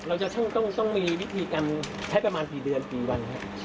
เราจะต้องมีวิธีการใช้ประมาณกี่เดือนกี่วันครับ